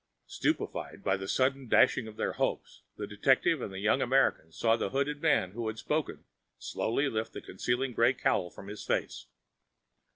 Stupefied by the sudden dashing of their hopes, the detective and the young American saw the hooded man who had spoken slowly lift the concealing gray cowl from his face.